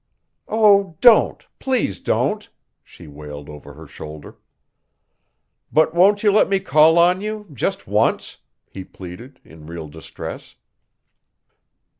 "Oh, don't please don't!" she wailed over her shoulder. "But won't you let me call on you just once?" he pleaded, in real distress.